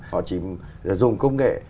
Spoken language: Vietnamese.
họ chỉ dùng công nghệ